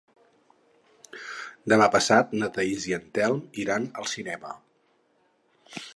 Demà passat na Thaís i en Telm iran al cinema.